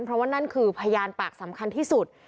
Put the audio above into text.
เพราะว่านั่นคือพยานปากสำคัญที่สุด